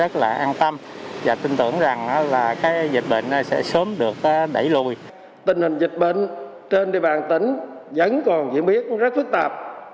tình hình dịch bệnh trên địa bàn tỉnh vẫn còn diễn biến rất phức tạp